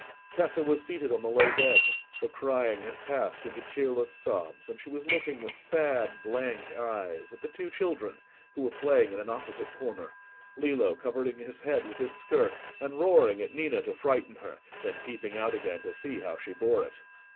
Tessa was seated on the low bed: her crying had passed into tearless sobs, and she was looking with sad blank eyes at the two children, who were playing in an opposite corner—Lillo covering his head with his skirt and roaring at Ninna to frighten her, then peeping out again to see how she bore it.